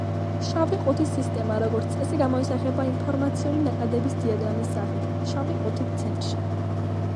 შავი ყუთის სისტემა, როგორც წესი გამოისახება ინფორმაციული ნაკადების დიაგრამის სახით, შავი ყუთით ცენტრში.